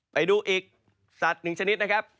ไปดูอีกสัตว์หนึ่งชนิดนะครับ